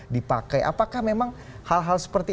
dipakai apakah memang hal hal seperti